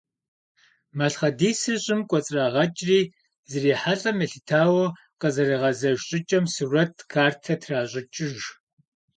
Малъхъэдисыр щӀым кӀуэцӀрагъэкӀри, зрихьэлӀэм елъытауэ къызэригъэзэж щӀыкӀэм сурэт, картэ тращӀыкӀыж.